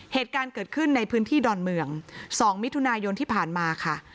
เหตุการณ์เกิดขึ้นในพื้นที่ดอนเมือง๒มิถุนายนที่ผ่านมาค่ะ